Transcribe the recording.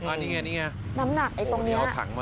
อันนี้ไงนี่ไงน้ำหนักไอ้ตรงนี้